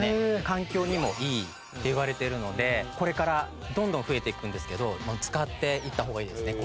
環境にもいいっていわれているのでこれからどんどん増えていくんですけど使っていった方がいいですね